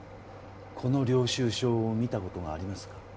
この領収証を見た事がありますか？